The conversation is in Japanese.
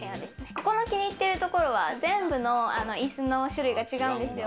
ここの気に入ってるところは、全部の椅子の種類が違うんですよ。